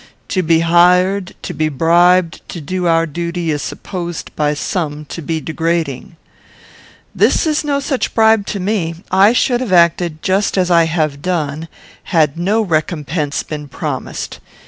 To be hired, to be bribed, to do our duty is supposed by some to be degrading." "This is no such bribe to me. I should have acted just as I have done, had no recompense been promised.